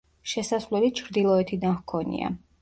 შესასვლელი ჩრდილოეთიდან ჰქონია.